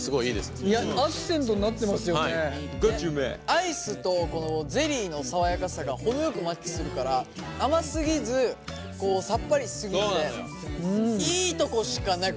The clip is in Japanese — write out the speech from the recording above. アイスとこのゼリーの爽やかさが程よくマッチするから甘すぎずさっぱりしすぎずでいいとこしかない。